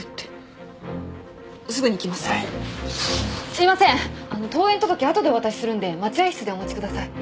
すみません登園届後でお渡しするんで待合室でお待ちください。